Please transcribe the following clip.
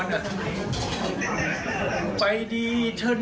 ไปดีเธอหน้าพี่ขอโวยพอดี